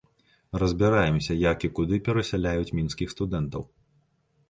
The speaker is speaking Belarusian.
Разбіраемся, як і куды перасяляюць мінскіх студэнтаў.